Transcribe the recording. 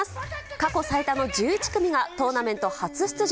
過去最多の１１組が、トーナメント初出場。